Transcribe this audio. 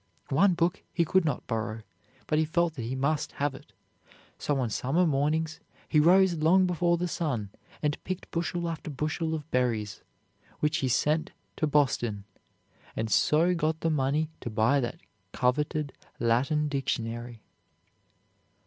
One book he could not borrow, but he felt that he must have it; so on summer mornings he rose long before the sun and picked bushel after bushel of berries, which he sent to Boston, and so got the money to buy that coveted Latin dictionary.